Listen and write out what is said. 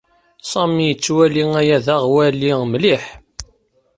Sami yettwali aya d aɣwali mliḥ.